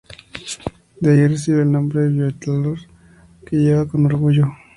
De allí recibe el nombre "Violator", que lleva con orgullo.